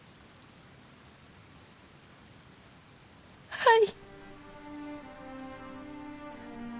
はい。